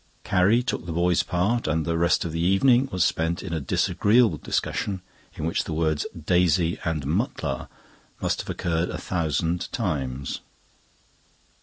Carrie took the boy's part, and the rest of the evening was spent in a disagreeable discussion, in which the words "Daisy" and "Mutlar" must have occurred a thousand times.